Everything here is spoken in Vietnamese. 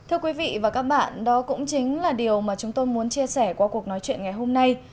thưa quý vị và các bạn đó cũng chính là điều mà chúng tôi muốn chia sẻ qua cuộc nói chuyện ngày hôm nay